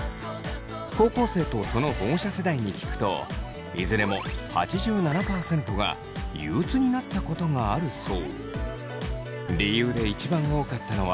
高校生とその保護者世代に聞くといずれも８７％が憂鬱になったことがあるそう。